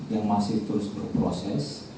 yang masih terus berproses